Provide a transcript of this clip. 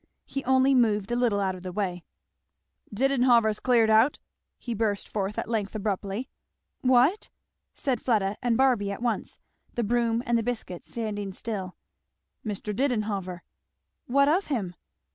He only moved a little out of the way. "Didenhover's cleared out," he burst forth at length abruptly. "What!" said Fleda and Barby at once, the broom and the biscuits standing still. "Mr. Didenhover." "What of him?"